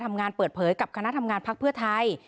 เปิดเผยกับคณะทำงานพักเพื่อไทย